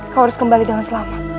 kau harus kembali dengan selamat